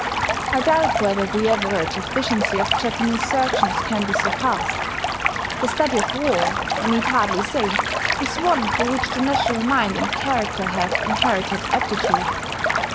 I doubt whether the average efficiency of Japanese surgeons can be surpassed. The study of war, I need hardly say, is one for which the national mind and character have inherited aptitude.